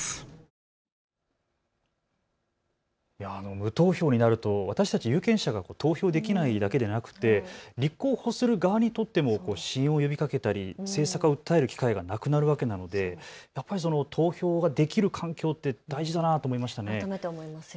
無投票になると私たち有権者が投票できないだけでなくて立候補する側にとっても支援を呼びかけたり政策を訴える機会がなくなるわけなので、投票ができる環境って大事だなと思いましたね。